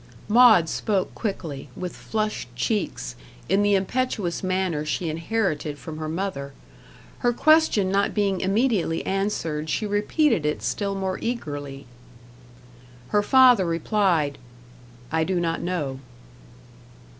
Maud spoke quickly, with flushed cheeks, in the impetuous manner she inherited from her mother. Her question not being immediately answered, she repeated it still more eagerly. Her father replied "I do not know."